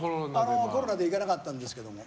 コロナで行けなかったんですけどね。